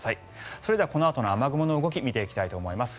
それではこのあとの雨雲の動き見ていきます。